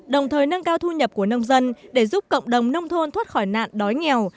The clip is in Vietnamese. đồng thời nâng cao thu nhập của nông dân để giúp cộng đồng nông thôn thoát khỏi nạn đói nghèo